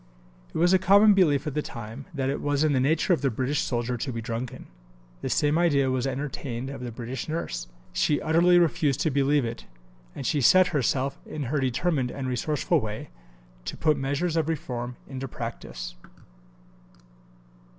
It was a common belief of the time that it was in the nature of the British soldier to be drunken. The same idea was entertained of the British nurse. She utterly refused to believe it, and she set herself, in her determined and resourceful way, to put measures of reform into practice.